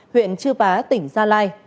huyện chư phá tỉnh gia lai